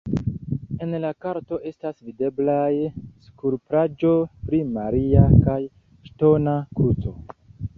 En la korto estas videblaj skulptaĵo pri Maria kaj ŝtona kruco.